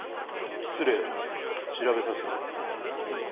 失礼だが調べさせてもらった。